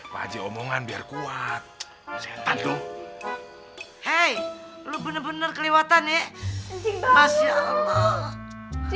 wajib omongan biar kuat sentuh hai lu bener bener kelewatan ya masya allah bangun itu nasib apa